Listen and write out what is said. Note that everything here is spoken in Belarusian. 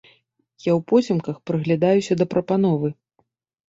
Я ўпоцемках прыглядаюся да прапановы.